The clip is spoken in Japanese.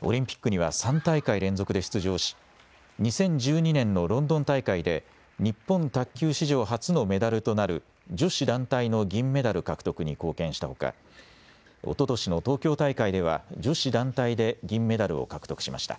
オリンピックには３大会連続で出場し、２０１２年のロンドン大会で、日本卓球史上初のメダルとなる、女子団体の銀メダル獲得に貢献したほか、おととしの東京大会では女子団体で銀メダルを獲得しました。